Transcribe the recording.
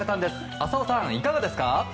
浅尾さん、いかがですか？